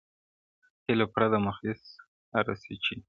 هیله پوره د مخلص هره سي چي,